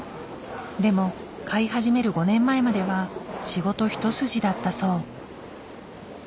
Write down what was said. でも飼い始める５年前までは仕事一筋だったそう。